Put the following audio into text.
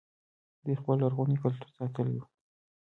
دوی خپل لرغونی کلتور ساتلی و